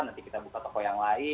nanti kita buka toko yang lain